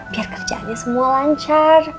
biar kerjaannya semua lancar